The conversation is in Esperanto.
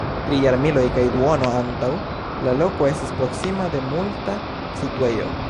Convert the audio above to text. Tri jarmiloj kaj duono antaŭ, la loko estis proksima de kulta situejo.